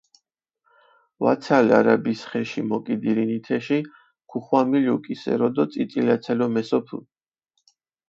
ვაცალ არაბის ხეში მოკიდირინი თეში, ქუხვამილუ კისერო დო წიწილაცალო მესოფჷ.